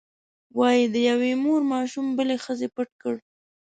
وایي د یوې مور ماشوم بلې ښځې پټ کړ.